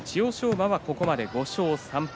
馬はここまで５勝３敗。